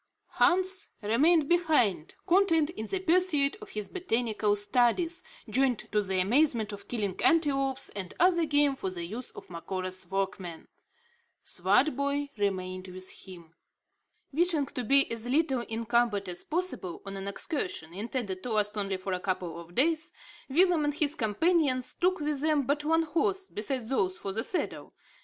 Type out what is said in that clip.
Hans remained behind, content in the pursuit of his botanical studies, joined to the amusement of killing antelopes, and other game for the use of Macora's workmen. Swartboy remained with him. Wishing to be as little encumbered as possible on an excursion, intended to last only for a couple of days, Willem and his companions took with them but one horse, besides those for the saddle.